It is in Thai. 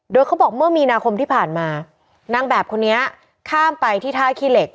โดยเขาบอกเมื่อมีนาคมที่ผ่านมานางแบบคนนี้ข้ามไปที่ท่าขี้เหล็ก